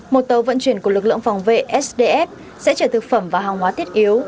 một tàu vận chuyển của lực lượng phòng vệ sdf sẽ chở thực phẩm và hàng hóa thiết yếu